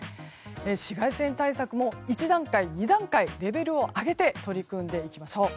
紫外線対策も一段階、二段階レベルを上げて取り組んでいきましょう。